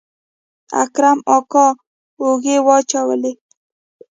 اکرم اکا اوږې واچولې.